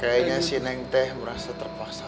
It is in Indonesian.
kayaknya si neng teh merasa terpaksa